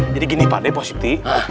jadi gini pak d pak siti